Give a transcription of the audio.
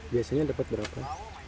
biasanya dapat berapa